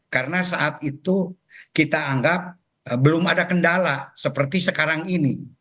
karena saat itu kita anggap belum ada kendala seperti sekarang ini